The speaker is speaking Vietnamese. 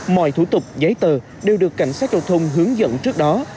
mọi thủ tục giấy tờ đều được cảnh sát giao thông hướng dẫn trước đó